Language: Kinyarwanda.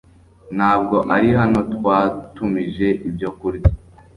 Ntabwo ari hano twatumije ibyo kurya .